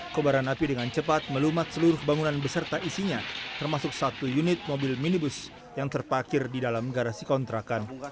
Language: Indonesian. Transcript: kobaran api dengan cepat melumat seluruh bangunan beserta isinya termasuk satu unit mobil minibus yang terpakir di dalam garasi kontrakan